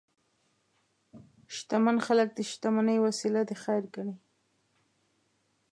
شتمن خلک د شتمنۍ وسیله د خیر ګڼي.